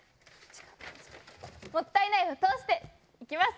もったい苗を通していきます。